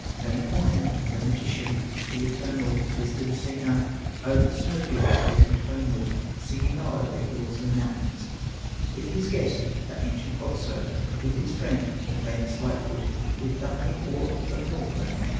Wainamoinen, the magician, The eternal wisdom singer, O'er the snow fields hastened homeward, Singing o'er the hills and mountains, With his guest, the ancient Otso, With his friend, the famous Light foot, With the Honey paw of Northland.